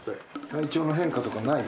体調の変化とかない？